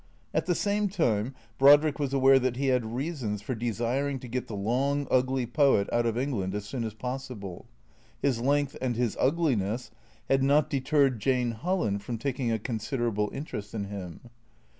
At the same time Brodriek was aware that he had reasons for desiring to get the long, ugly poet out of England as soon as possible. His length and his ugliness had not deterred Jane Holland from taking a considerable interest in him.